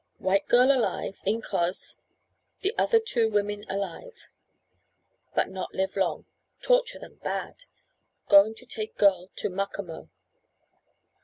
"White girl alive, incos, the other two women alive, but not live long, torture them bad. Going to take girl to Macomo."